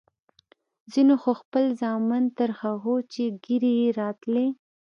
ځينو خو خپل زامن تر هغو چې ږيرې يې راتلې.